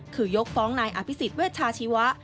คือยกฟ้องนายอภิษฎเวชาชีวะ